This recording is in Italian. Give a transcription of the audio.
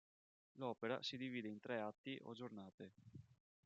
L'opera si divide in tre atti o giornate.